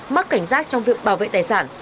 mắc cảnh giác trong việc bảo vệ tài sản